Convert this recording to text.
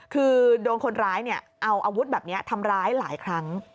คือโดนคนร้ายเอาอาวุธแบบนี้ทำร้ายหลายครั้ง